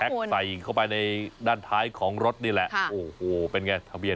ใส่เข้าไปในด้านท้ายของรถนี่แหละโอ้โหเป็นไงทะเบียน